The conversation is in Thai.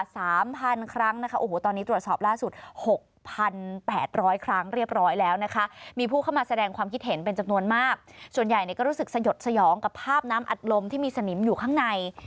สยองกับภาพน้ำอัดลมที่มีสนิมอยู่ข้างใน